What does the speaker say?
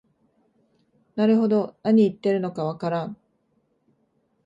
なるほど、なに言ってるのかわからん